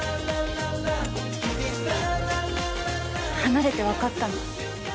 離れてわかったの。